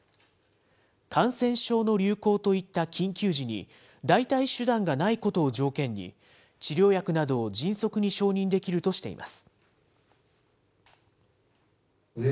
感染症の流行といった緊急時に、代替手段がないことを条件に、治療薬などを迅速に承認できるとしています。